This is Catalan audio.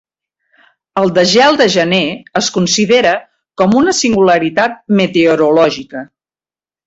El desgel de gener es considera com una singularitat meteorològica.